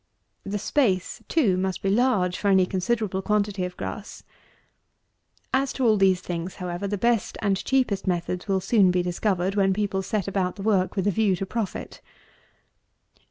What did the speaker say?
The space, too, must be large, for any considerable quantity of grass. As to all these things, however, the best and cheapest methods will soon be discovered when people set about the work with a view to profit.